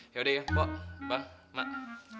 yaudah ya pak mak mak